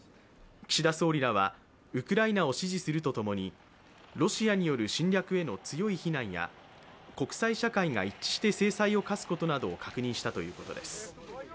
岸田総理らはウクライナを支持するとともにロシアによる侵略への強い非難や国際社会が一致して制裁を科すことなどを確認したということです。